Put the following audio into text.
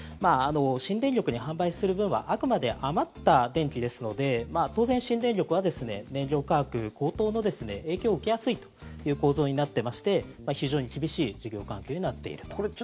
新電力に販売する分はあくまで余った電気ですので当然、新電力は燃料価格高騰の影響を受けやすいという構造になってまして非常に厳しい事業環境になっているということです。